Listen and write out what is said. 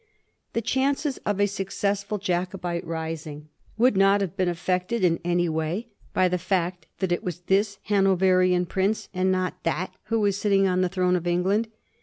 The chances of a successful Jacobite rising would not have been affected in any way by the fact that it was this Hanoverian prince and not that who was sitting on the throne of England.